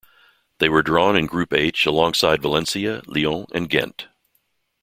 They were drawn in Group H alongside Valencia, Lyon and Gent.